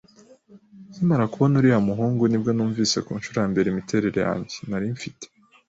Nkimara kubona uriya muhungu nibwo numvise, kunshuro yambere, imiterere yanjye. narimfite